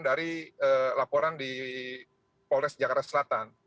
dari laporan di polres jakarta selatan